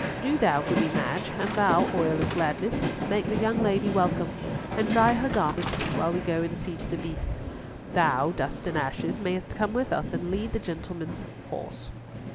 Do thou, Goody Madge, and thou, Oil of Gladness, make the young lady welcome, and dry her garments, while we go and see to the beasts. Thou, Dust and Ashes, mayest come with us and lead the gentleman's horse."